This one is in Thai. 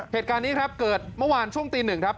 เหตุการณ์นี้ครับเกิดเมื่อวานช่วงตีหนึ่งครับ